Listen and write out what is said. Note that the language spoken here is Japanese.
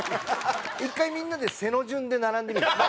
１回みんなで背の順で並んでみる？